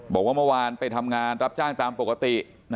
บอกว่าเมื่อวานไปทำงานรับจ้างตามปกติ